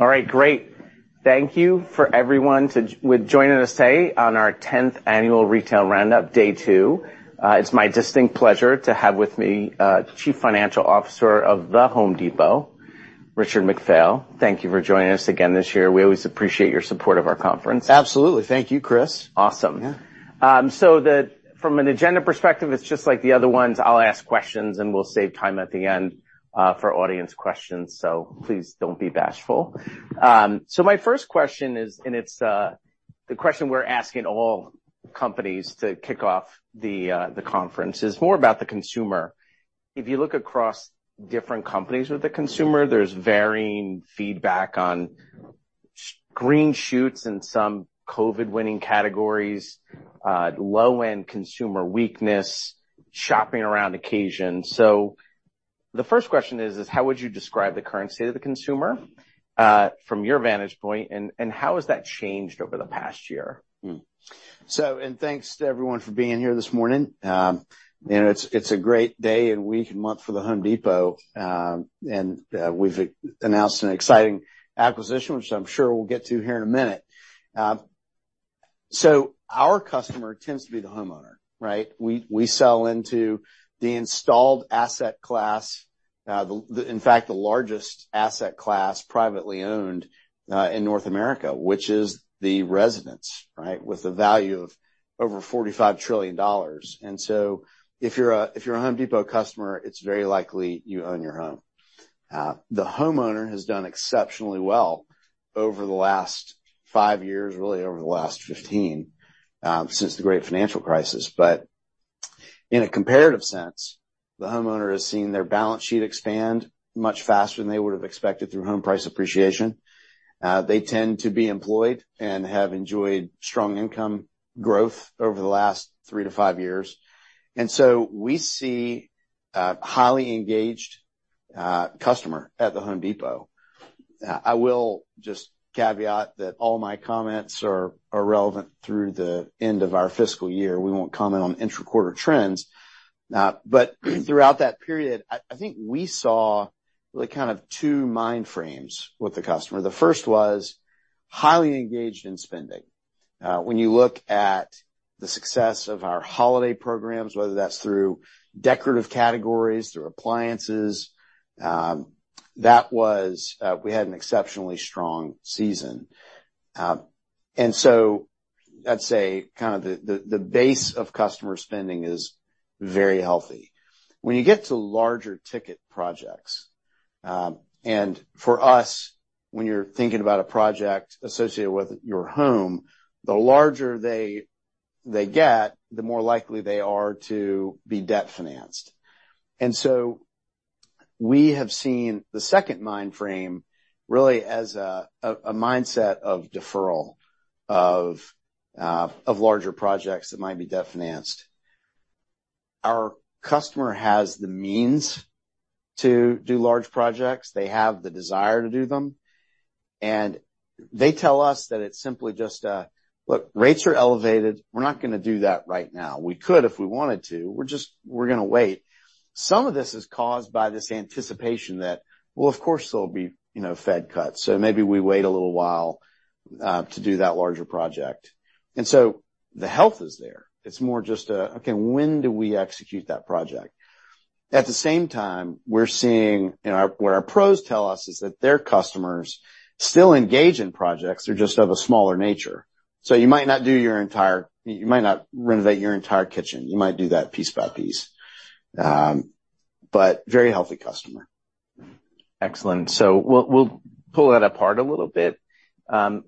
All right, great. Thank you to everyone for joining us today on our 10th Annual Retail Roundup, day two. It's my distinct pleasure to have with me, Chief Financial Officer of The Home Depot, Richard McPhail. Thank you for joining us again this year. We always appreciate your support of our conference. Absolutely. Thank you, Chris. Awesome. Yeah. So from an agenda perspective, it's just like the other ones. I'll ask questions, and we'll save time at the end for audience questions, so please don't be bashful. So my first question is, and it's the question we're asking all companies to kick off the conference, is more about the consumer. If you look across different companies with the consumer, there's varying feedback on green shoots in some COVID-winning categories, low-end consumer weakness, shopping around occasion. So the first question is how would you describe the current state of the consumer from your vantage point, and how has that changed over the past year? Thanks to everyone for being here this morning. You know, it's a great day and week and month for The Home Depot, and we've announced an exciting acquisition, which I'm sure we'll get to here in a minute. So our customer tends to be the homeowner, right? We sell into the installed asset class, in fact, the largest asset class privately owned in North America, which is the residence, right? With a value of over $45 trillion. So if you're a Home Depot customer, it's very likely you own your home. The homeowner has done exceptionally well over the last five years, really over the last 15, since the great financial crisis. But in a comparative sense, the homeowner has seen their balance sheet expand much faster than they would have expected through home price appreciation. They tend to be employed and have enjoyed strong income growth over the last three to five years, and so we see a highly engaged customer at The Home Depot. I will just caveat that all my comments are relevant through the end of our fiscal year. We won't comment on interquarter trends. But throughout that period, I think we saw the kind of two mind frames with the customer. The first was highly engaged in spending. When you look at the success of our holiday programs, whether that's through decorative categories, through appliances, that was... We had an exceptionally strong season. And so I'd say kind of the base of customer spending is very healthy. When you get to larger ticket projects, and for us, when you're thinking about a project associated with your home, the larger they get, the more likely they are to be debt-financed. And so we have seen the second mindset, really as a mindset of deferral, of larger projects that might be debt-financed. Our customer has the means to do large projects. They have the desire to do them, and they tell us that it's simply just, "Look, rates are elevated. We're not gonna do that right now. We could if we wanted to, we're just, we're gonna wait." Some of this is caused by this anticipation that, well, of course, there'll be, you know, Fed cuts, so maybe we wait a little while to do that larger project. And so the health is there. It's more just a, "Okay, when do we execute that project?" At the same time, we're seeing in our—what our pros tell us is that their customers still engage in projects, they're just of a smaller nature. So you might not do your entire—you might not renovate your entire kitchen, you might do that piece by piece. But very healthy customer. Excellent. So we'll pull that apart a little bit. An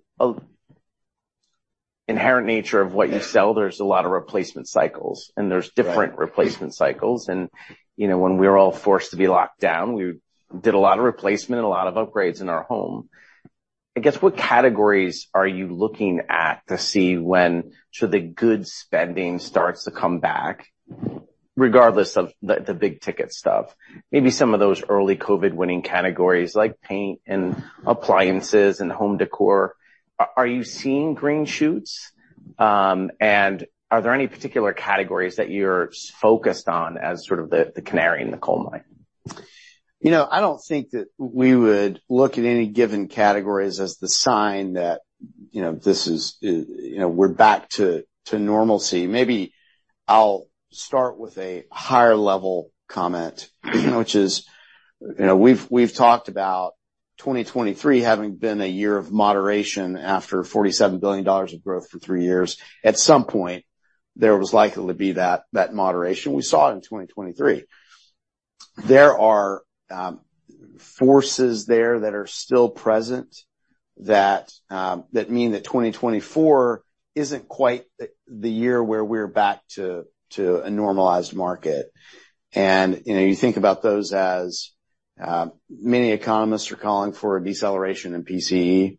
inherent nature of what you sell, there's a lot of replacement cycles. Right. And there's different replacement cycles. And, you know, when we were all forced to be locked down, we did a lot of replacement and a lot of upgrades in our home. I guess, what categories are you looking at to see when should the good spending starts to come back, regardless of the big-ticket stuff? Maybe some of those early COVID-winning categories, like paint and appliances and home decor. Are you seeing green shoots? And are there any particular categories that you're focused on as sort of the canary in the coal mine? You know, I don't think that we would look at any given categories as the sign that, you know, this is, we're back to normalcy. Maybe I'll start with a higher level comment, which is, you know, we've talked about 2023 having been a year of moderation after $47 billion of growth for three years. At some point, there was likely to be that moderation. We saw it in 2023. There are forces there that are still present that mean that 2024 isn't quite the year where we're back to a normalized market. And, you know, you think about those as many economists are calling for a deceleration in PCE.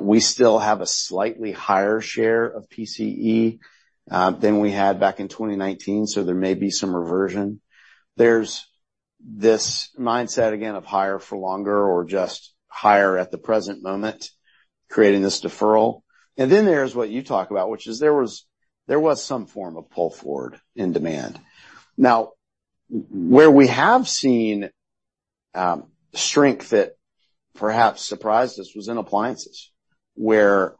We still have a slightly higher share of PCE than we had back in 2019, so there may be some reversion. There's this mindset again of higher for longer or just higher at the present moment, creating this deferral. And then there's what you talk about, which is there was some form of pull forward in demand. Where we have seen strength that perhaps surprised us was in appliances, where,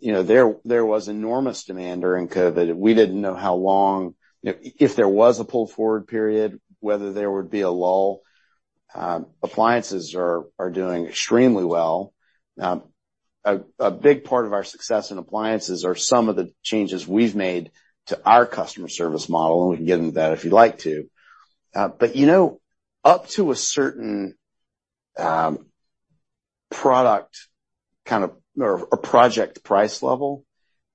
you know, there was enormous demand during COVID. We didn't know how long, you know, if there was a pull-forward period, whether there would be a lull. Appliances are doing extremely well. A big part of our success in appliances are some of the changes we've made to our customer service model, and we can get into that if you'd like to. But, you know, up to a certain product kind of, or a project price level,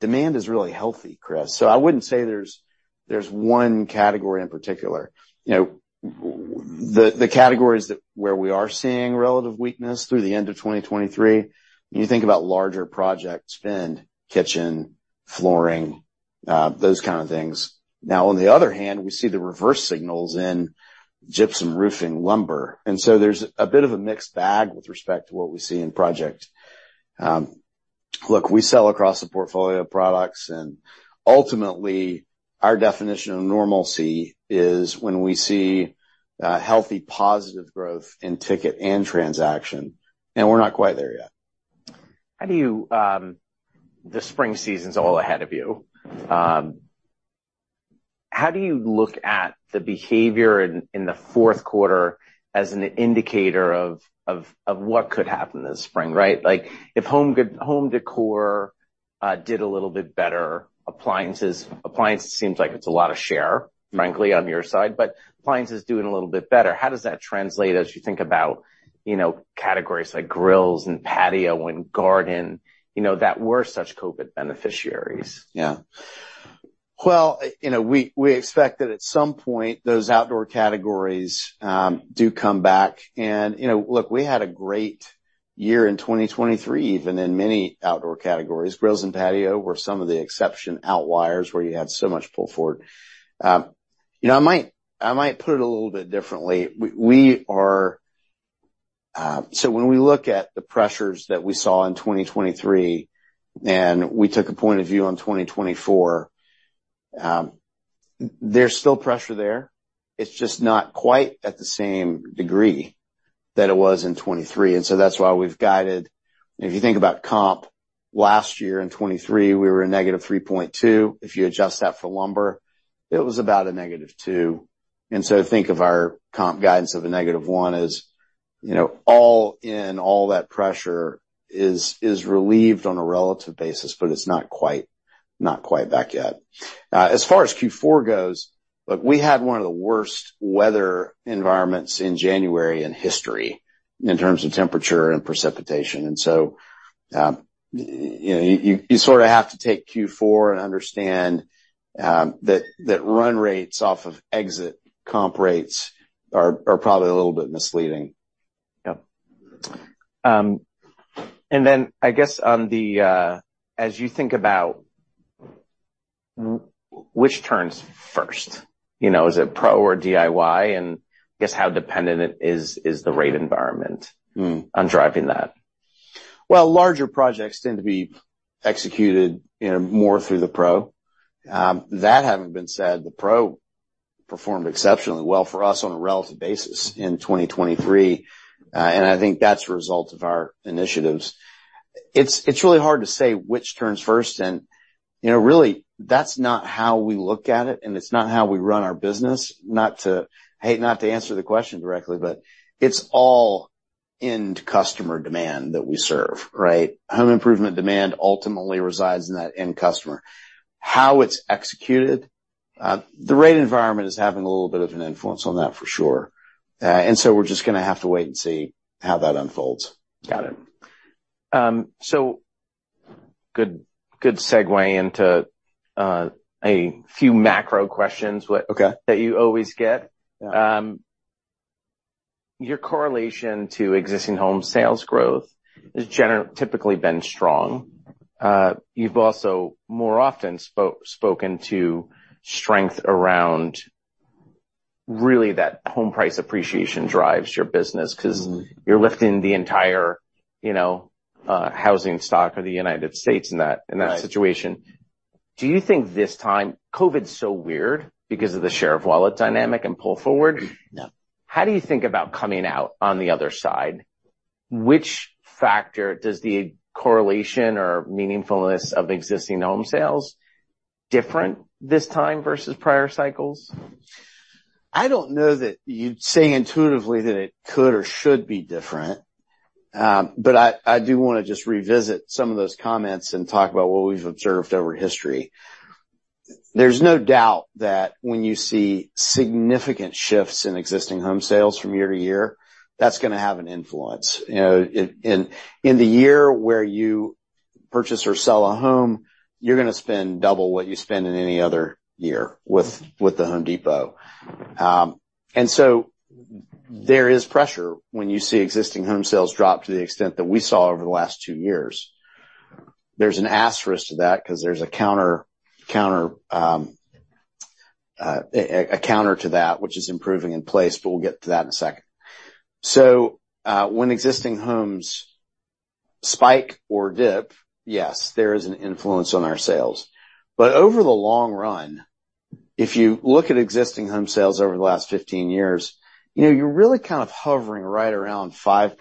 demand is really healthy, Chris. So I wouldn't say there's one category in particular. You know, the categories where we are seeing relative weakness through the end of 2023, you think about larger project spend, kitchen, flooring, those kind of things. Now, on the other hand, we see the reverse signals in gypsum, roofing, lumber, and so there's a bit of a mixed bag with respect to what we see in project. Look, we sell across a portfolio of products, and ultimately, our definition of normalcy is when we see healthy, positive growth in ticket and transaction, and we're not quite there yet. How do you, The spring season's all ahead of you. How do you look at the behavior in the fourth quarter as an indicator of what could happen this spring, right? Like, if home good- home decor did a little bit better, appliances seems like it's a lot of share, frankly, on your side, but appliances is doing a little bit better. How does that translate as you think about, you know, categories like grills and patio and garden, you know, that were such COVID beneficiaries? Yeah. Well, you know, we expect that at some point, those outdoor categories do come back. And, you know, look, we had a great year in 2023, even in many outdoor categories. Grills and patio were some of the exception outliers, where you had so much pull forward. You know, I might put it a little bit differently. We are. So when we look at the pressures that we saw in 2023, and we took a point of view on 2024, there's still pressure there. It's just not quite at the same degree that it was in 2023, and so that's why we've guided. If you think about comp, last year in 2023, we were a -3.2%. If you adjust that for lumber, it was about a -2%. And so think of our comp guidance of -1% as, you know, all in, all that pressure is relieved on a relative basis, but it's not quite, not quite back yet. As far as Q4 goes, look, we had one of the worst weather environments in January in history in terms of temperature and precipitation, and so, you know, you sort of have to take Q4 and understand that run rates off of exit comp rates are probably a little bit misleading. Yep. And then I guess on the, as you think about which turns first, you know, is it pro or DIY? And I guess how dependent it is, is the rate environment- Mm. on driving that? Well, larger projects tend to be executed, you know, more through the Pro. That having been said, the Pro performed exceptionally well for us on a relative basis in 2023, and I think that's a result of our initiatives. It's, it's really hard to say which turns first, and, you know, really, that's not how we look at it, and it's not how we run our business. Not to- I hate not to answer the question directly, but it's all end customer demand that we serve, right? Home improvement demand ultimately resides in that end customer. How it's executed, the rate environment is having a little bit of an influence on that, for sure. And so we're just gonna have to wait and see how that unfolds. Got it. So, good, good segue into a few macro questions Okay. that you always get. Yeah. Your correlation to existing home sales growth has typically been strong. You've also more often spoken to strength around really that home price appreciation drives your business- Mm. 'cause you're lifting the entire, you know, housing stock of the United States in that, in that Right. Situation. Do you think this time. COVID's so weird because of the share of wallet dynamic and pull forward? Yeah. How do you think about coming out on the other side? Which factor does the correlation or meaningfulness of existing home sales different this time versus prior cycles? I don't know that you'd say intuitively that it could or should be different, but I do wanna just revisit some of those comments and talk about what we've observed over history. There's no doubt that when you see significant shifts in existing home sales from year to year, that's gonna have an influence. You know, in the year where you purchase or sell a home, you're gonna spend double what you spend in any other year with The Home Depot. And so there is pressure when you see existing home sales drop to the extent that we saw over the last two years. There's an asterisk to that, 'cause there's a counter to that, which is improving in place, but we'll get to that in a second. So, when existing homes-... Spike or dip, yes, there is an influence on our sales. But over the long run, if you look at existing home sales over the last 15 years, you know, you're really kind of hovering right around 5%,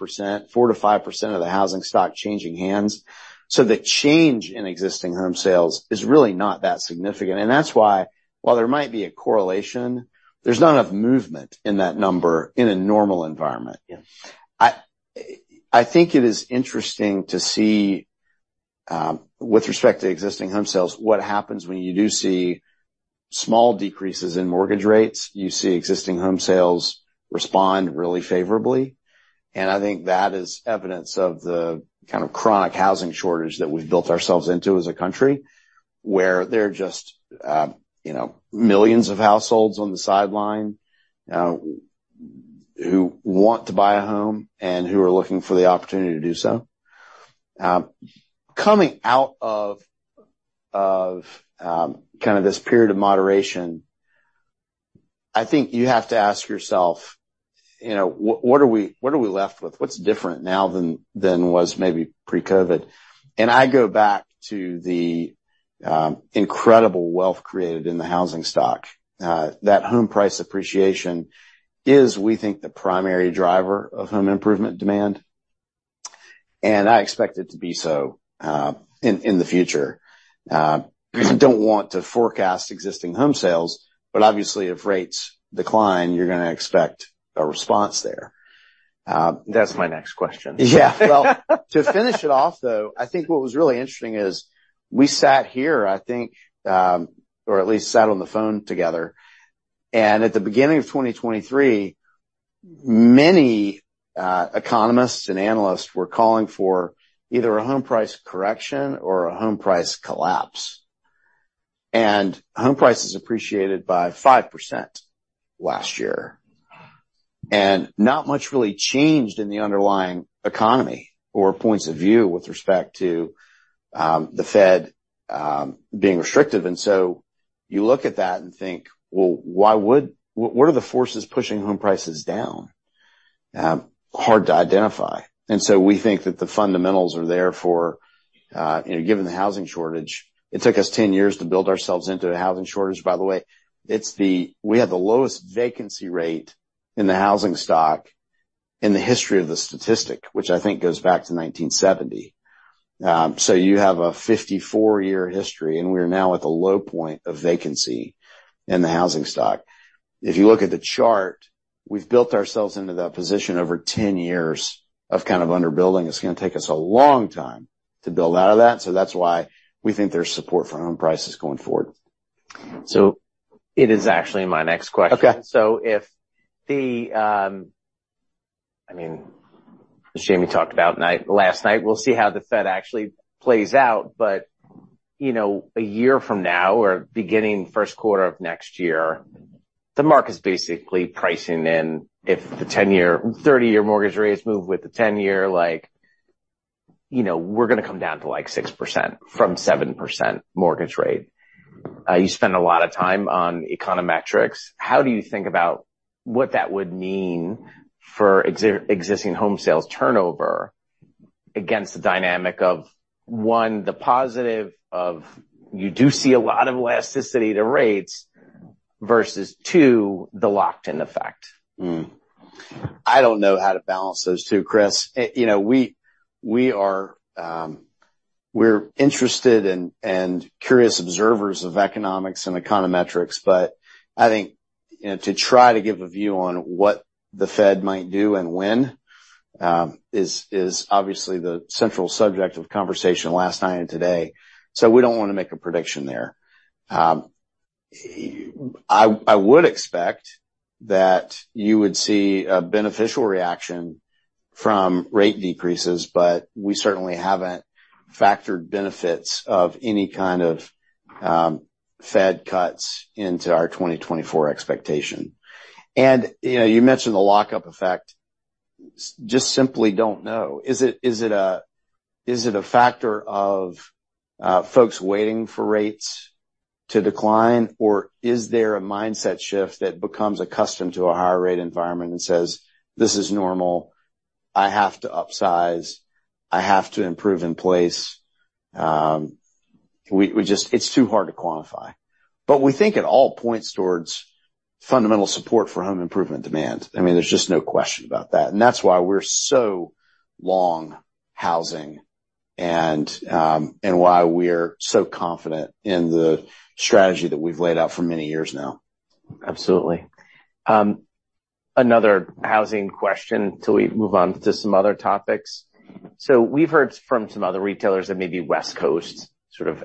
4%-5% of the housing stock changing hands. So the change in existing home sales is really not that significant, and that's why, while there might be a correlation, there's not enough movement in that number in a normal environment. Yes. I think it is interesting to see, with respect to existing home sales, what happens when you do see small decreases in mortgage rates, you see existing home sales respond really favorably. And I think that is evidence of the kind of chronic housing shortage that we've built ourselves into as a country, where there are just, you know, millions of households on the sideline, who want to buy a home and who are looking for the opportunity to do so. Coming out of kind of this period of moderation, I think you have to ask yourself, you know, what are we left with? What's different now than was maybe pre-COVID? And I go back to the incredible wealth created in the housing stock. That home price appreciation is, we think, the primary driver of home improvement demand, and I expect it to be so, in the future. Don't want to forecast existing home sales, but obviously, if rates decline, you're gonna expect a response there. That's my next question. Yeah. Well, to finish it off, though, I think what was really interesting is we sat here, I think, or at least sat on the phone together, and at the beginning of 2023, many economists and analysts were calling for either a home price correction or a home price collapse. And home prices appreciated by 5% last year, and not much really changed in the underlying economy or points of view with respect to the Fed being restrictive. And so you look at that and think, "Well, why would. What, what are the forces pushing home prices down?" Hard to identify. And so we think that the fundamentals are there for, you know, given the housing shortage, it took us 10 years to build ourselves into a housing shortage, by the way. We have the lowest vacancy rate in the housing stock in the history of the statistic, which I think goes back to 1970. So you have a 54-year history, and we are now at the low point of vacancy in the housing stock. If you look at the chart, we've built ourselves into that position over 10 years of kind of underbuilding. It's gonna take us a long time to build out of that, so that's why we think there's support for home prices going forward. It is actually my next question. Okay. So if the, I mean, Jamie talked about last night, we'll see how the Fed actually plays out, but, you know, a year from now or beginning first quarter of next year, the market's basically pricing in if the 10-year, 30-year mortgage rates move with the 10-year, like, you know, we're gonna come down to, like, 6% from 7% mortgage rate. You spend a lot of time on econometrics. How do you think about what that would mean for existing home sales turnover against the dynamic of, one, the positive of you do see a lot of elasticity to rates, versus, two, the locked-in effect? I don't know how to balance those two, Chris. You know, we, we are, we're interested and, and curious observers of economics and econometrics, but I think, you know, to try to give a view on what the Fed might do and when, is, is obviously the central subject of conversation last night and today, so we don't wanna make a prediction there. I, I would expect that you would see a beneficial reaction from rate decreases, but we certainly haven't factored benefits of any kind of, Fed cuts into our 2024 expectation. And, you know, you mentioned the lockup effect. Just simply don't know. Is it a factor of folks waiting for rates to decline, or is there a mindset shift that becomes accustomed to a higher rate environment and says, "This is normal, I have to upsize, I have to improve in place?" We just... It's too hard to quantify. But we think it all points towards fundamental support for home improvement demand. I mean, there's just no question about that, and that's why we're so long housing and, and why we're so confident in the strategy that we've laid out for many years now. Absolutely. Another housing question until we move on to some other topics. So we've heard from some other retailers that maybe West Coast sort of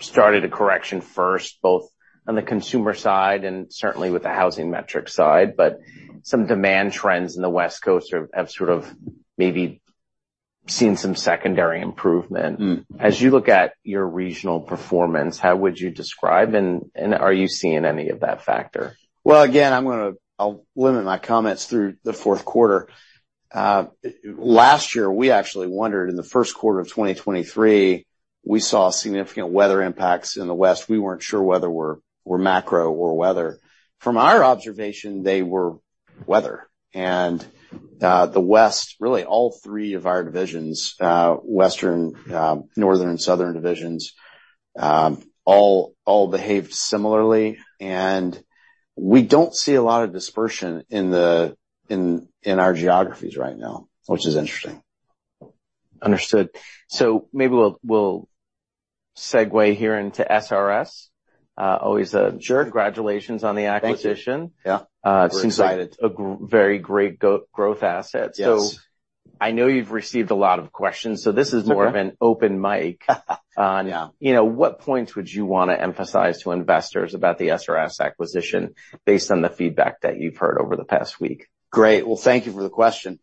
started a correction first, both on the consumer side and certainly with the housing metric side, but some demand trends in the West Coast have sort of maybe seen some secondary improvement. Mm. As you look at your regional performance, how would you describe, and are you seeing any of that factor? Well, again, I'll limit my comments through the fourth quarter. Last year, we actually wondered, in the first quarter of 2023, we saw significant weather impacts in the West. We weren't sure whether we're macro or weather. From our observation, they were weather. The West, really all three of our divisions, Western, Northern and Southern divisions, all behaved similarly, and we don't see a lot of dispersion in our geographies right now, which is interesting. Understood. So maybe we'll, we'll segue here into SRS. Sure. Congratulations on the acquisition. Thank you. Yeah. We're excited. It seems like a very great growth asset. Yes. So I know you've received a lot of questions, so this is more- Okay of an open mic. Yeah. You know, what points would you wanna emphasize to investors about the SRS acquisition based on the feedback that you've heard over the past week? Great. Well, thank you for the question.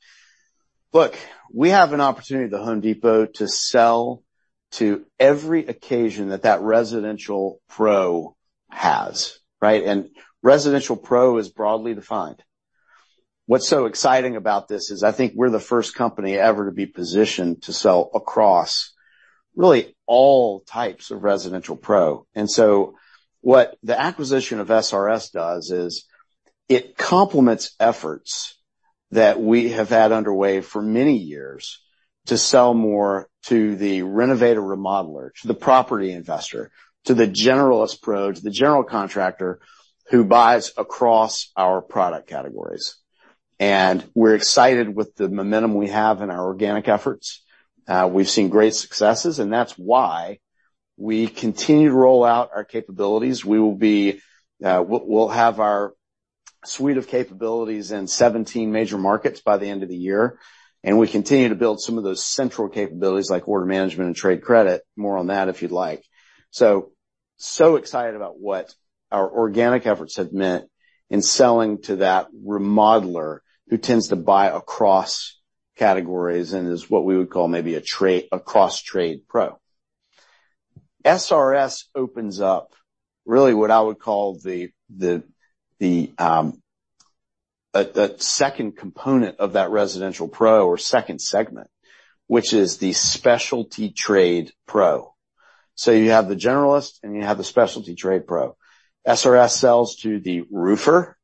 Look, we have an opportunity at The Home Depot to sell to every occasion that that residential pro has, right? And residential pro is broadly defined. What's so exciting about this is I think we're the first company ever to be positioned to sell across really all types of residential pro. And so what the acquisition of SRS does is, it complements efforts that we have had underway for many years to sell more to the renovator remodeler, to the property investor, to the generalist pro, to the general contractor who buys across our product categories. And we're excited with the momentum we have in our organic efforts. We've seen great successes, and that's why we continue to roll out our capabilities. We'll have our suite of capabilities in 17 major markets by the end of the year, and we continue to build some of those central capabilities, like order management and trade credit. More on that if you'd like. So excited about what our organic efforts have meant in selling to that remodeler who tends to buy across categories, and is what we would call maybe a trade, a cross-trade pro. SRS opens up really what I would call a second component of that residential pro or second segment, which is the specialty trade pro. So you have the generalist, and you have the specialty trade pro. SRS sells to the roofer,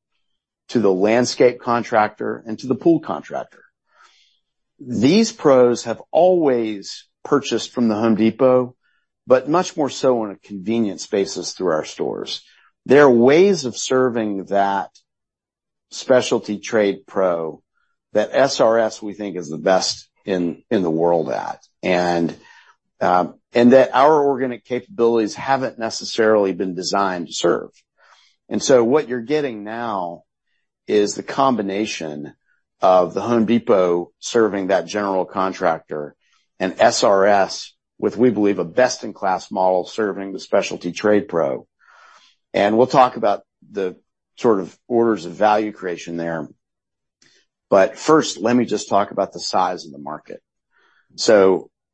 to the landscape contractor, and to the pool contractor. These pros have always purchased from The Home Depot, but much more so on a convenience basis through our stores. There are ways of serving that specialty trade pro that SRS, we think, is the best in the world at, and that our organic capabilities haven't necessarily been designed to serve. We'll talk about the sort of orders of value creation there. First, let me just talk about the size of the market.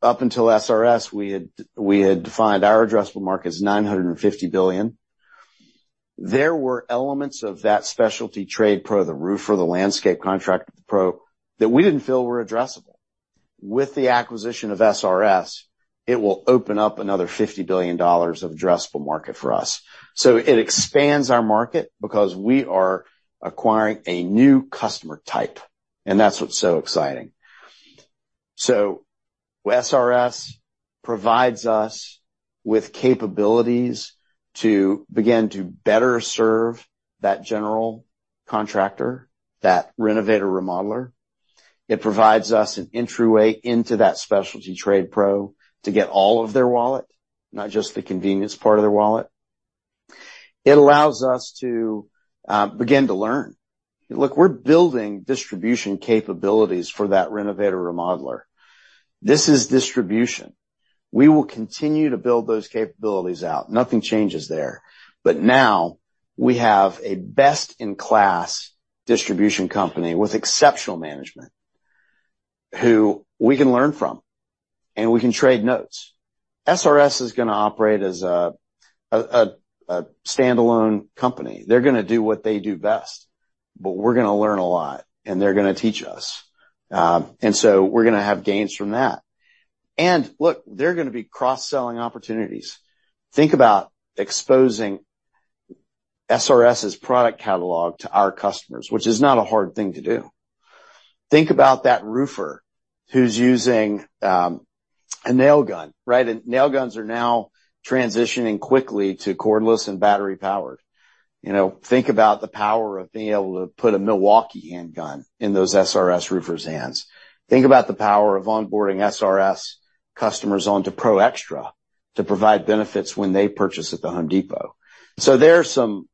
Up until SRS, we had defined our addressable market as $950 billion. There were elements of that specialty trade pro, the roofer, the landscape contract pro, that we didn't feel were addressable. With the acquisition of SRS, it will open up another $50 billion of addressable market for us. So it expands our market because we are acquiring a new customer type, and that's what's so exciting. So SRS provides us with capabilities to begin to better serve that general contractor, that renovator remodeler. It provides us an entryway into that specialty trade pro to get all of their wallet, not just the convenience part of their wallet. It allows us to begin to learn. Look, we're building distribution capabilities for that renovator remodeler. This is distribution. We will continue to build those capabilities out. Nothing changes there. But now we have a best-in-class distribution company with exceptional management, who we can learn from, and we can trade notes. SRS is gonna operate as a standalone company. They're gonna do what they do best, but we're gonna learn a lot, and they're gonna teach us. And so we're gonna have gains from that. And look, there are gonna be cross-selling opportunities. Think about exposing SRS's product catalog to our customers, which is not a hard thing to do. Think about that roofer who's using a nail gun, right? And nail guns are now transitioning quickly to cordless and battery-powered. You know, think about the power of being able to put a Milwaukee handgun in those SRS roofers' hands. Think about the power of onboarding SRS customers onto Pro Xtra to provide benefits when they purchase at The Home Depot. So there's some,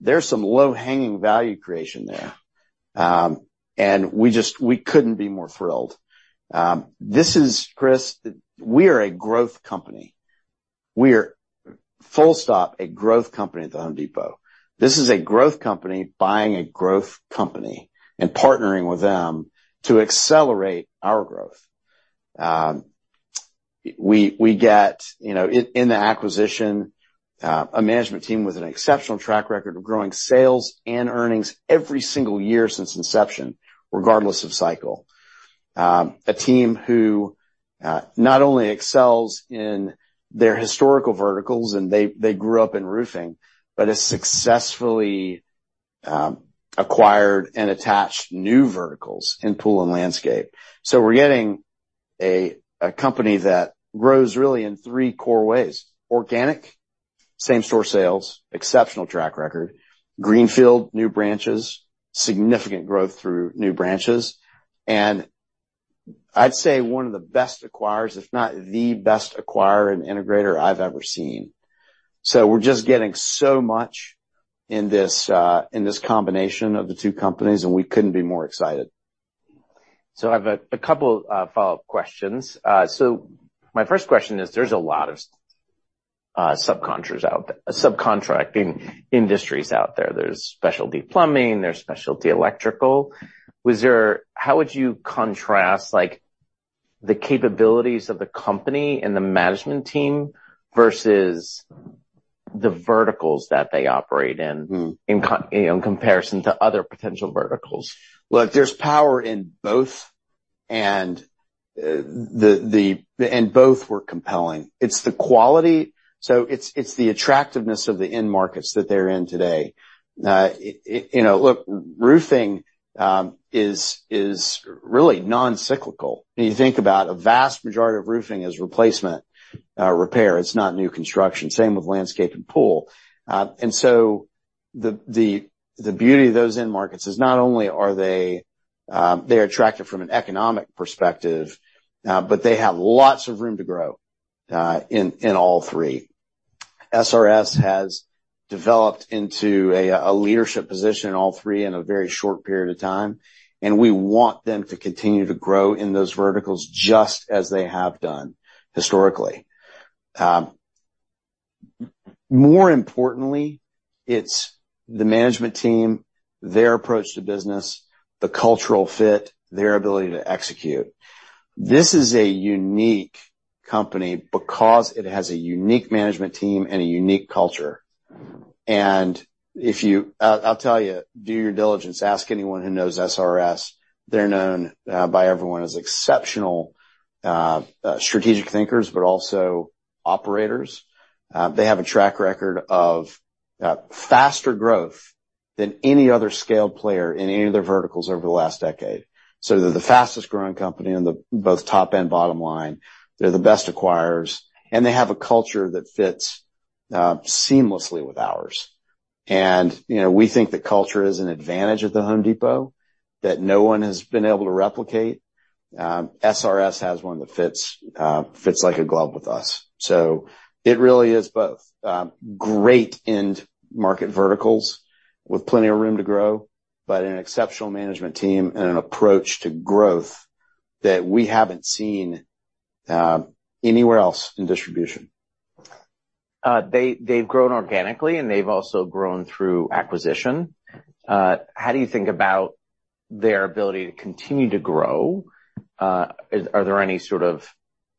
there's some low-hanging value creation there, and we just couldn't be more thrilled. This is, Chris, we are a growth company. We are, full stop, a growth company at The Home Depot. This is a growth company buying a growth company and partnering with them to accelerate our growth. We get, you know, in the acquisition, a management team with an exceptional track record of growing sales and earnings every single year since inception, regardless of cycle. A team who not only excels in their historical verticals, and they grew up in roofing, but has successfully acquired and attached new verticals in pool and landscape. So we're getting a company that grows really in three core ways: organic, same-store sales, exceptional track record, greenfield, new branches, significant growth through new branches, and I'd say one of the best acquirers, if not the best acquirer and integrator I've ever seen. So we're just getting so much in this, in this combination of the two companies, and we couldn't be more excited. So I have a couple follow-up questions. So my first question is, there's a lot of subcontractors out there, subcontracting industries out there. There's specialty plumbing, there's specialty electrical. How would you contrast, like, the capabilities of the company and the management team versus the verticals that they operate in- Mm. in comparison to other potential verticals? Look, there's power in both, and both were compelling. It's the quality, so it's the attractiveness of the end markets that they're in today. You know, look, roofing is really non-cyclical. When you think about a vast majority of roofing is replacement, repair, it's not new construction. Same with landscape and pool. And so the beauty of those end markets is not only are they, they're attractive from an economic perspective, but they have lots of room to grow in all three. SRS has developed into a leadership position in all three in a very short period of time, and we want them to continue to grow in those verticals just as they have done historically. More importantly, it's the management team, their approach to business, the cultural fit, their ability to execute. This is a unique company because it has a unique management team and a unique culture. And if you, I'll tell you, do your diligence, ask anyone who knows SRS, they're known by everyone as exceptional strategic thinkers, but also operators. They have a track record of faster growth than any other scaled player in any of their verticals over the last decade. So they're the fastest-growing company in the both top and bottom line, they're the best acquirers, and they have a culture that fits seamlessly with ours. And, you know, we think that culture is an advantage of the Home Depot, that no one has been able to replicate. SRS has one that fits like a glove with us. So it really is both, great end market verticals with plenty of room to grow, but an exceptional management team and an approach to growth that we haven't seen, anywhere else in distribution. They've grown organically, and they've also grown through acquisition. How do you think about their ability to continue to grow? Are there any sort of,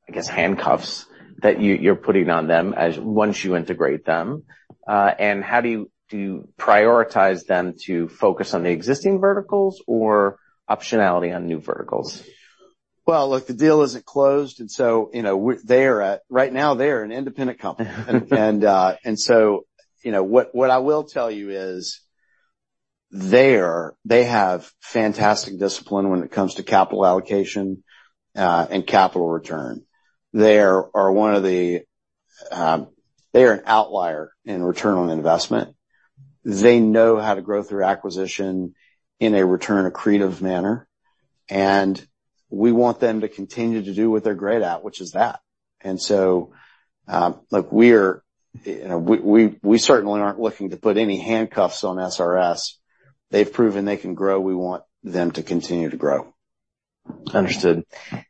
I guess, handcuffs that you, you're putting on them as once you integrate them? And how do you prioritize them to focus on the existing verticals or optionality on new verticals? Well, look, the deal isn't closed, and so, you know, they are right now, they're an independent company. And, and so, you know, what I will tell you is they have fantastic discipline when it comes to capital allocation, and capital return. They are one of the, they are an outlier in return on investment. They know how to grow through acquisition in a return, accretive manner, and we want them to continue to do what they're great at, which is that. And so, look, we're, we certainly aren't looking to put any handcuffs on SRS. They've proven they can grow. We want them to continue to grow. Understood.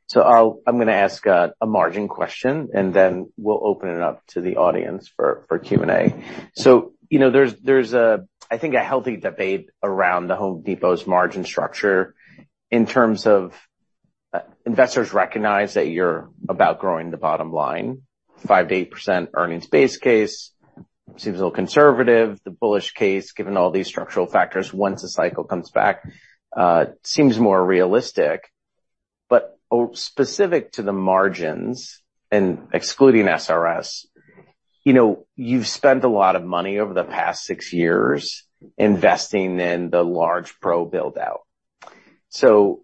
So I'll—I'm gonna ask a margin question, and then we'll open it up to the audience for Q&A. So, you know, there's a, I think, a healthy debate around The Home Depot's margin structure in terms of, investors recognize that you're about growing the bottom line, 5%-8% earnings base case, seems a little conservative, the bullish case, given all these structural factors, once the cycle comes back, seems more realistic. But oh, specific to the margins and excluding SRS, you know, you've spent a lot of money over the past six years investing in the large pro build-out. So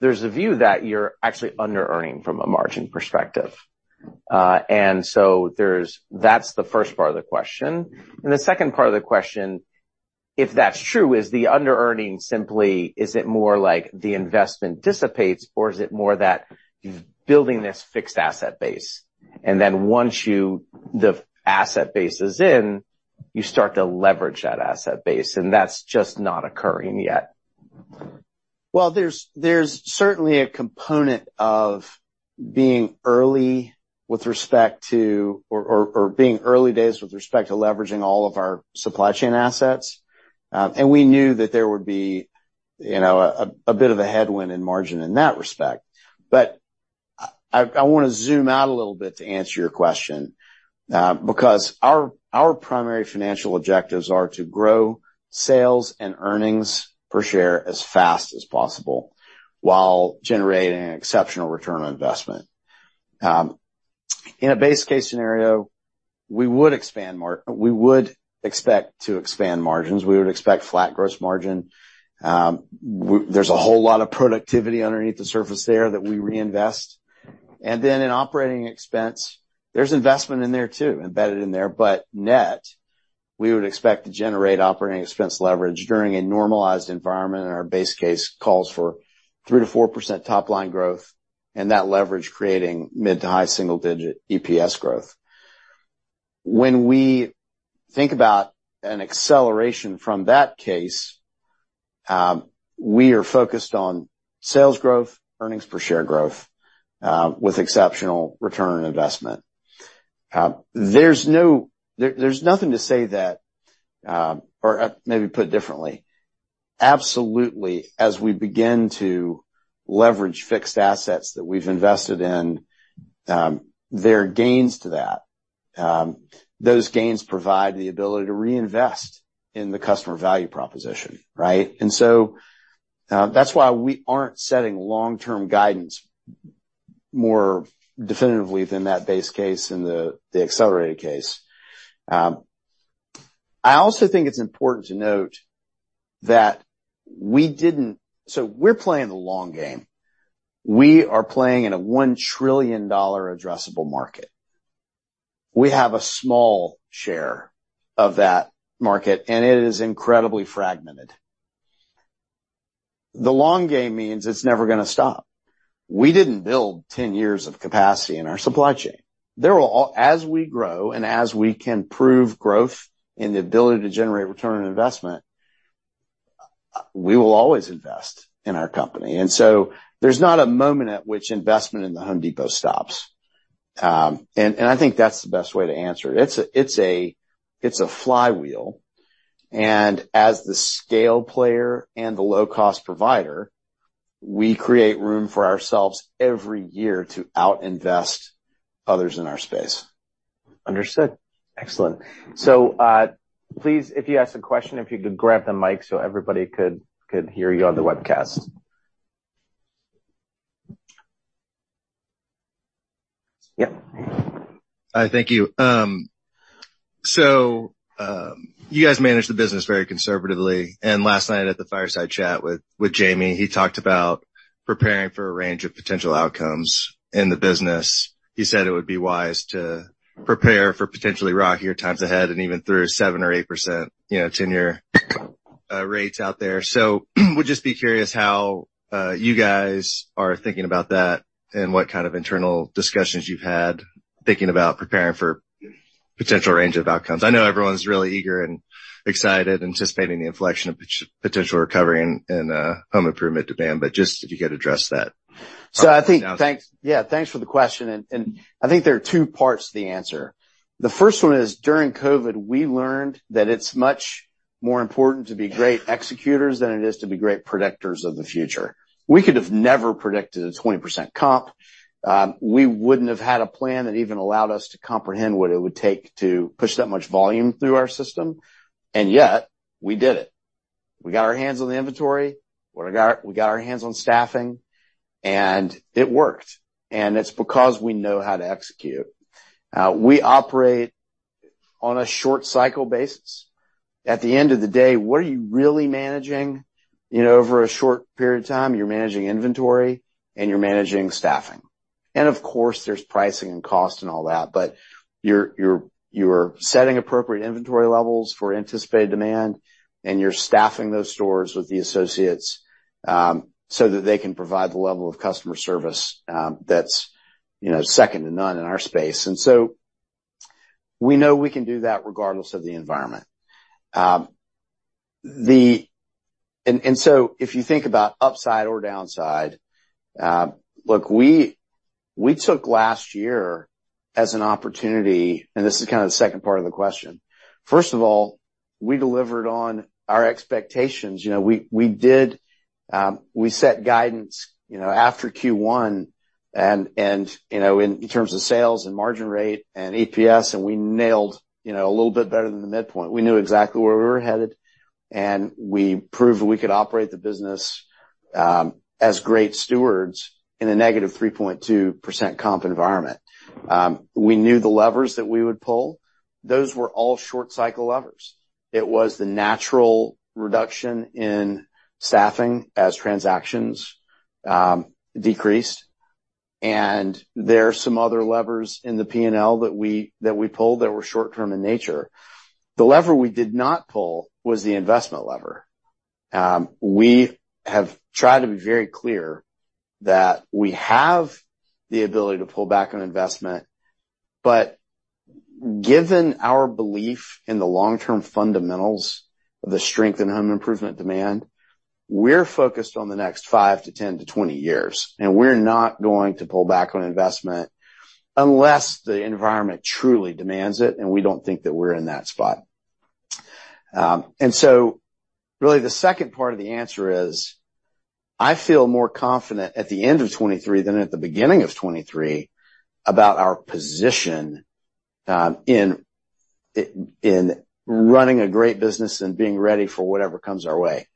there's a view that you're actually under-earning from a margin perspective. And so there's—that's the first part of the question. The second part of the question, if that's true, is the under-earning simply, is it more like the investment dissipates, or is it more that you're building this fixed asset base, and then once you... the asset base is in, you start to leverage that asset base, and that's just not occurring yet? Well, there's certainly a component of being early with respect to, or being early days with respect to leveraging all of our supply chain assets. And we knew that there would be, you know, a bit of a headwind in margin in that respect. But I wanna zoom out a little bit to answer your question, because our primary financial objectives are to grow sales and earnings per share as fast as possible while generating exceptional return on investment. In a base case scenario, we would expect to expand margins, we would expect flat gross margin. There's a whole lot of productivity underneath the surface there that we reinvest. And then in operating expense, there's investment in there, too, embedded in there, but net, we would expect to generate operating expense leverage during a normalized environment, and our base case calls for 3%-4% top line growth, and that leverage creating mid- to high-single-digit EPS growth. When we think about an acceleration from that case, we are focused on sales growth, earnings per share growth, with exceptional return on investment. There's nothing to say that, or maybe put differently. Absolutely, as we begin to leverage fixed assets that we've invested in, there are gains to that. Those gains provide the ability to reinvest in the customer value proposition, right? And so, that's why we aren't setting long-term guidance more definitively than that base case and the accelerated case. I also think it's important to note. So we're playing the long game. We are playing in a $1 trillion addressable market. We have a small share of that market, and it is incredibly fragmented. The long game means it's never gonna stop. We didn't build 10 years of capacity in our supply chain. There will as we grow, and as we can prove growth and the ability to generate return on investment, we will always invest in our company, and so there's not a moment at which investment in The Home Depot stops. And I think that's the best way to answer it. It's a flywheel, and as the scale player and the low-cost provider, we create room for ourselves every year to out-invest others in our space. Understood. Excellent. So, please, if you ask a question, if you could grab the mic so everybody could hear you on the webcast. Yep. Hi, thank you. So, you guys manage the business very conservatively, and last night at the fireside chat with Jamie, he talked about preparing for a range of potential outcomes in the business. He said it would be wise to prepare for potentially rockier times ahead and even through 7% or 8%, you know, ten-year rates out there. So would just be curious how you guys are thinking about that and what kind of internal discussions you've had thinking about preparing for potential range of outcomes. I know everyone's really eager and excited, anticipating the inflection of potential recovery in home improvement demand, but just if you could address that. So I think, thanks. Yeah, thanks for the question. And I think there are two parts to the answer. The first one is, during COVID, we learned that it's much more important to be great executors than it is to be great predictors of the future. We could have never predicted a 20% comp. We wouldn't have had a plan that even allowed us to comprehend what it would take to push that much volume through our system, and yet, we did it. We got our hands on the inventory, we got our hands on staffing, and it worked. And it's because we know how to execute. We operate on a short cycle basis. At the end of the day, what are you really managing? You know, over a short period of time, you're managing inventory, and you're managing staffing. And of course, there's pricing and cost and all that, but you're setting appropriate inventory levels for anticipated demand, and you're staffing those stores with the associates, so that they can provide the level of customer service that's, you know, second to none in our space. And so we know we can do that regardless of the environment. And so if you think about upside or downside, look, we took last year as an opportunity, and this is kind of the second part of the question. First of all, we delivered on our expectations. You know, we did, we set guidance, you know, after Q1, and, you know, in terms of sales and margin rate and EPS, and we nailed, you know, a little bit better than the midpoint. We knew exactly where we were headed, and we proved that we could operate the business as great stewards in a -3.2% comp environment. We knew the levers that we would pull. Those were all short cycle levers. It was the natural reduction in staffing as transactions decreased. There are some other levers in the P&L that we, that we pulled that were short-term in nature. The lever we did not pull was the investment lever. We have tried to be very clear that we have the ability to pull back on investment, but given our belief in the long-term fundamentals of the strength in home improvement demand, we're focused on the next five to 10 to 20 years, and we're not going to pull back on investment unless the environment truly demands it, and we don't think that we're in that spot. So really the second part of the answer is, I feel more confident at the end of 2023 than at the beginning of 2023, about our position in running a great business and being ready for whatever comes our way.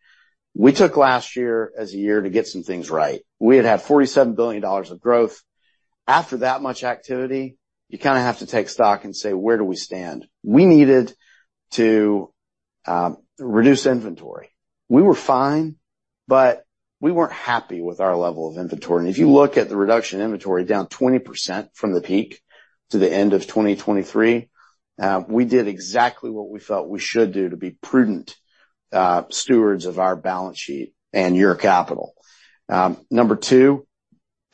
We took last year as a year to get some things right. We had had $47 billion of growth. After that much activity, you kinda have to take stock and say: Where do we stand? We needed to reduce inventory. We were fine, but we weren't happy with our level of inventory. If you look at the reduction in inventory, down 20% from the peak to the end of 2023, we did exactly what we felt we should do to be prudent stewards of our balance sheet and your capital. Number two,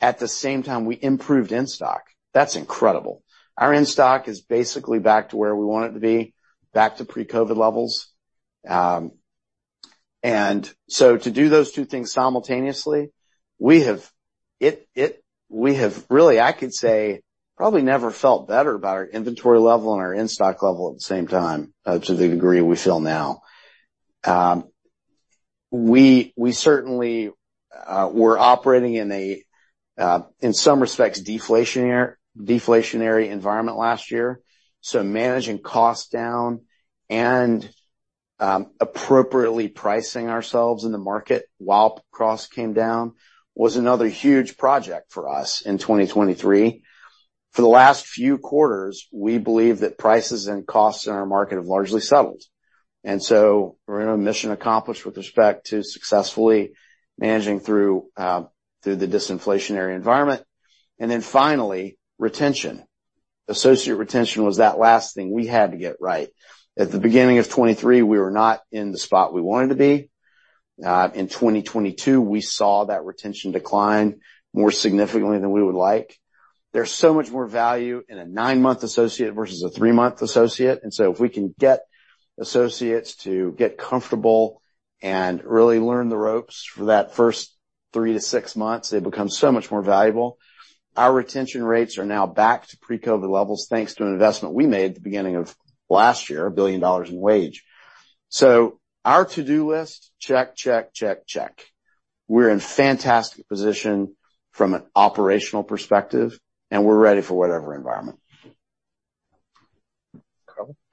at the same time, we improved in-stock. That's incredible! Our in-stock is basically back to where we want it to be, back to pre-COVID levels. And so to do those two things simultaneously, we have really, I could say, probably never felt better about our inventory level and our in-stock level at the same time, to the degree we feel now. We certainly were operating in some respects, deflationary environment last year. So managing costs down and appropriately pricing ourselves in the market while costs came down was another huge project for us in 2023. For the last few quarters, we believe that prices and costs in our market have largely settled. And so we're in a mission accomplished with respect to successfully managing through the disinflationary environment. And then finally, retention. Associate retention was that last thing we had to get right. At the beginning of 2023, we were not in the spot we wanted to be. In 2022, we saw that retention decline more significantly than we would like. There's so much more value in a nine-month associate versus a three-month associate, and so if we can get associates to get comfortable and really learn the ropes for that first three to six months, they become so much more valuable. Our retention rates are now back to pre-COVID levels, thanks to an investment we made at the beginning of last year, $1 billion in wages. So our to-do list, check, check, check, check. We're in fantastic position from an operational perspective, and we're ready for whatever environment.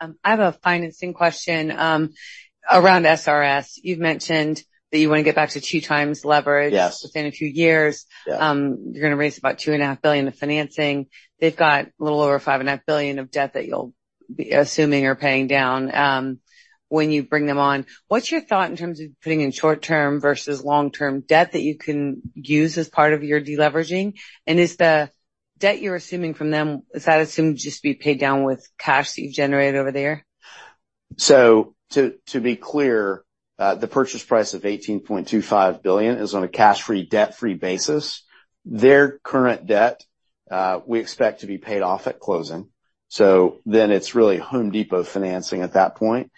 I have a financing question, around SRS. You've mentioned that you wanna get back to 2x leverage- Yes. within a few years. Yeah. You're gonna raise about $2.5 billion of financing. They've got a little over $5.5 billion of debt that you'll be assuming or paying down, when you bring them on. What's your thought in terms of putting in short-term versus long-term debt that you can use as part of your deleveraging? And is the debt you're assuming from them, is that assumed just to be paid down with cash that you generate over there? So to be clear, the purchase price of $18.25 billion is on a cash-free, debt-free basis. Their current debt, we expect to be paid off at closing, so then it's really Home Depot financing at that point.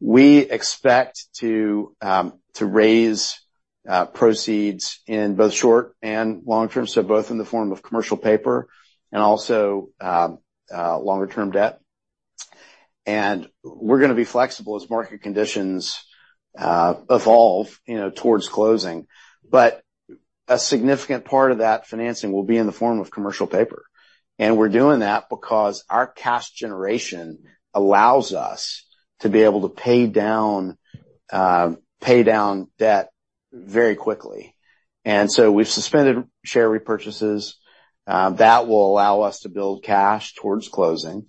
We expect to raise proceeds in both short and long term, so both in the form of commercial paper and also longer-term debt. And we're gonna be flexible as market conditions evolve, you know, towards closing. But a significant part of that financing will be in the form of commercial paper. And we're doing that because our cash generation allows us to be able to pay down debt very quickly. And so we've suspended share repurchases. That will allow us to build cash towards closing.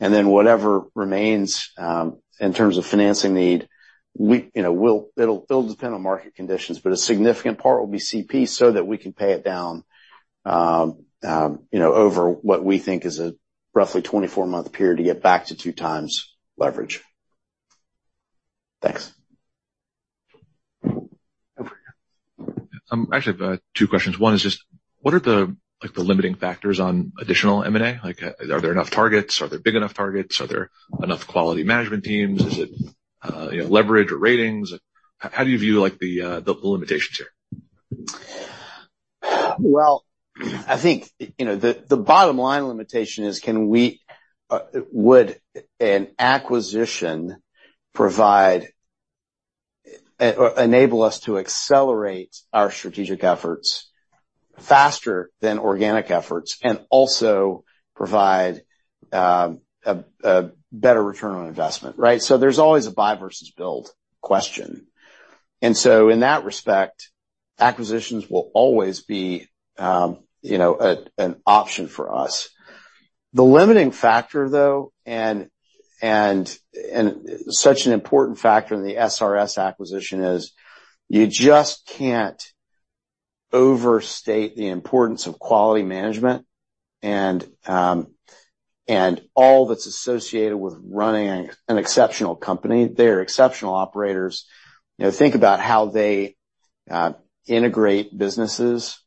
Then whatever remains, in terms of financing need, we, you know, it'll depend on market conditions, but a significant part will be CP, so that we can pay it down, you know, over what we think is a roughly 24-month period to get back to 2x leverage. Thanks. Over here. I actually have two questions. One is just: What are the, like, the limiting factors on additional M&A? Like, are there enough targets? Are there big enough targets? Are there enough quality management teams? Is it, you know, leverage or ratings? How do you view, like, the limitations here? Well, I think, you know, the bottom line limitation is, would an acquisition provide or enable us to accelerate our strategic efforts faster than organic efforts, and also provide a better return on investment, right? So there's always a buy versus build question. And so in that respect, acquisitions will always be, you know, an option for us. The limiting factor, though, such an important factor in the SRS acquisition is, you just can't overstate the importance of quality management and all that's associated with running an exceptional company. They're exceptional operators. You know, think about how they integrate businesses.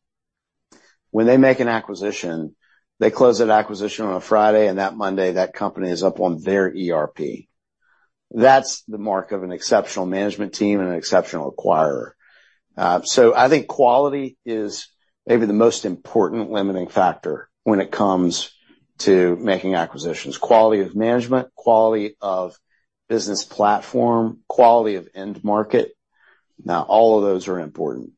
When they make an acquisition, they close that acquisition on a Friday, and that Monday, that company is up on their ERP. That's the mark of an exceptional management team and an exceptional acquirer. So I think quality is maybe the most important limiting factor when it comes to making acquisitions. Quality of management, quality of business platform, quality of end market. Now, all of those are important.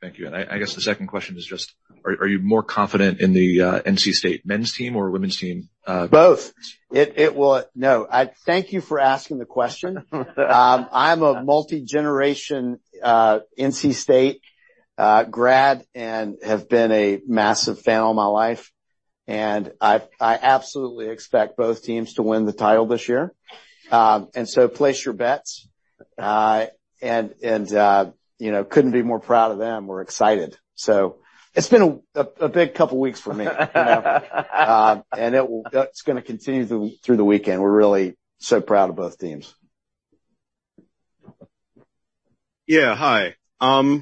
Thank you. And I guess the second question is just, are you more confident in the NC State men's team or women's team? Both! No, I thank you for asking the question. I'm a multi-generation NC State grad, and have been a massive fan all my life, and I absolutely expect both teams to win the title this year. And so place your bets. And, you know, couldn't be more proud of them. We're excited. So it's been a big couple weeks for me, you know? And it will—that's gonna continue through the weekend. We're really so proud of both teams. Yeah, hi.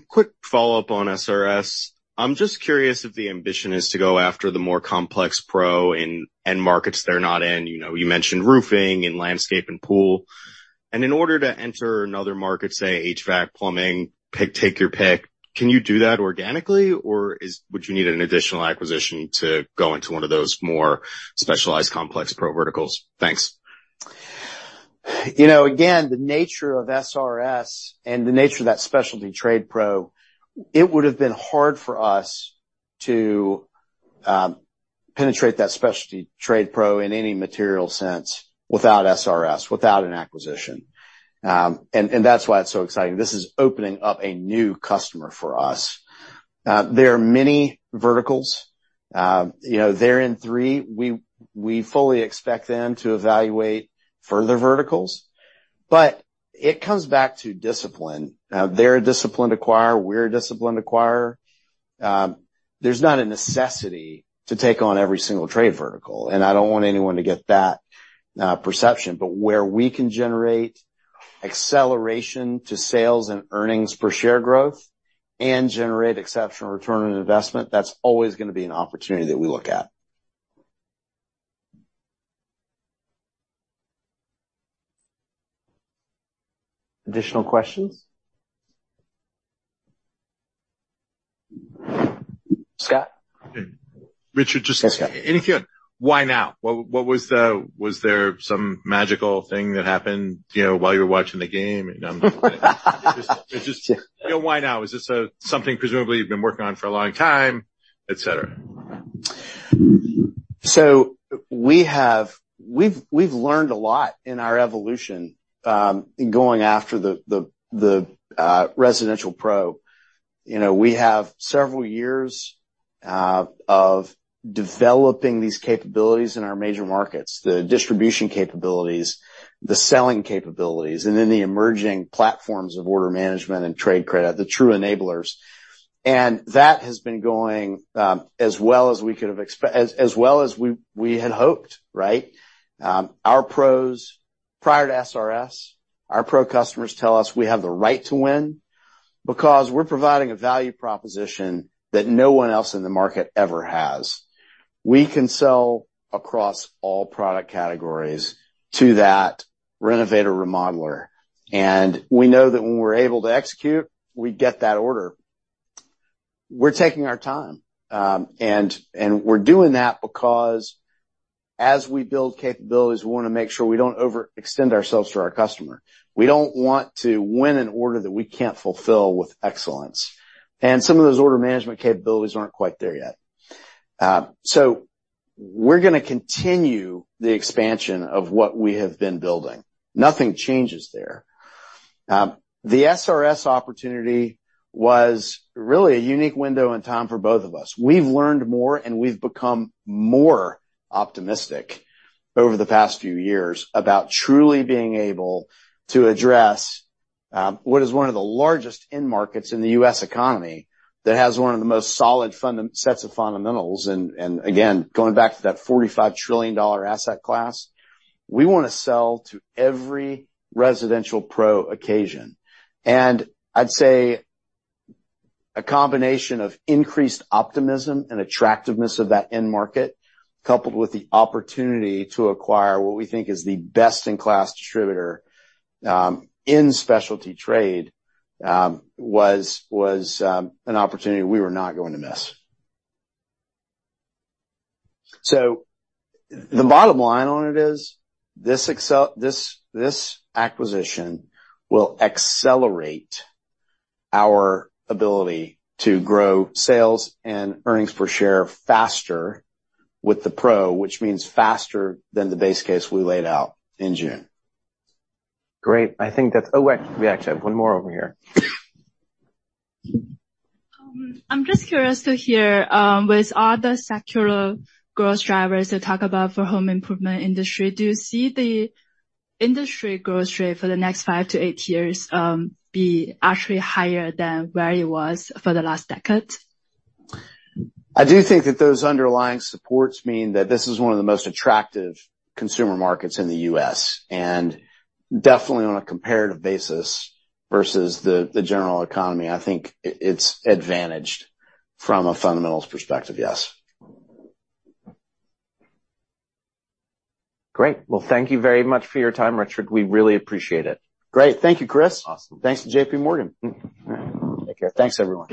Quick follow-up on SRS. I'm just curious if the ambition is to go after the more complex pro in end markets they're not in. You know, you mentioned roofing and landscape and pool. And in order to enter another market, say, HVAC, plumbing, take your pick, can you do that organically, or would you need an additional acquisition to go into one of those more specialized, complex pro verticals? Thanks. You know, again, the nature of SRS and the nature of that specialty trade pro, it would have been hard for us to penetrate that specialty trade pro in any material sense without SRS, without an acquisition. And, and that's why it's so exciting. This is opening up a new customer for us. There are many verticals. You know, they're in three. We, we fully expect them to evaluate further verticals, but it comes back to discipline. Now, they're a disciplined acquirer, we're a disciplined acquirer. There's not a necessity to take on every single trade vertical, and I don't want anyone to get that perception. But where we can generate acceleration to sales and earnings per share growth and generate exceptional return on investment, that's always gonna be an opportunity that we look at. Additional questions? Scott? Hey, Richard, just- Yes, Scott. Any idea why now? What was the... Was there some magical thing that happened, you know, while you were watching the game? You know, just you know, why now? Is this something presumably you've been working on for a long time, et cetera? So we have, we've learned a lot in our evolution, in going after the residential pro. You know, we have several years of developing these capabilities in our major markets, the distribution capabilities, the selling capabilities, and then the emerging platforms of order management and trade credit, the true enablers. And that has been going as well as we had hoped, right? Our pros, prior to SRS, our pro customers tell us we have the right to win because we're providing a value proposition that no one else in the market ever has. We can sell across all product categories to that renovator/remodeler, and we know that when we're able to execute, we get that order. We're taking our time, and we're doing that because as we build capabilities, we wanna make sure we don't overextend ourselves to our customer. We don't want to win an order that we can't fulfill with excellence, and some of those order management capabilities aren't quite there yet. So we're gonna continue the expansion of what we have been building. Nothing changes there. The SRS opportunity was really a unique window in time for both of us. We've learned more, and we've become more optimistic over the past few years about truly being able to address what is one of the largest end markets in the U.S. economy, that has one of the most solid fundamentals. Again, going back to that $45 trillion asset class, we wanna sell to every residential pro occasion. I'd say, a combination of increased optimism and attractiveness of that end market, coupled with the opportunity to acquire what we think is the best-in-class distributor in specialty trade, was an opportunity we were not going to miss. So the bottom line on it is, this acquisition will accelerate our ability to grow sales and earnings per share faster with the Pro, which means faster than the base case we laid out in June. Great. I think that's. Oh, wait. We actually have one more over here. I'm just curious to hear, with all the secular growth drivers you talk about for home improvement industry, do you see the industry growth rate for the next five to eight years be actually higher than where it was for the last decade? I do think that those underlying supports mean that this is one of the most attractive consumer markets in the U.S., and definitely on a comparative basis versus the general economy, I think it's advantaged from a fundamentals perspective, yes. Great. Well, thank you very much for your time, Richard. We really appreciate it. Great. Thank you, Chris. Awesome. Thanks to J.P. Morgan. All right. Take care. Thanks, everyone.